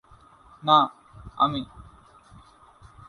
না, আমি!